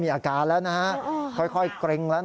มีอาการแล้วนะค่อยเกร็งแล้วค่อยค่อย